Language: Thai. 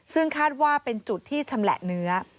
ซึ่งคาดว่าเป็นจุดที่ชำแหละเนื้อ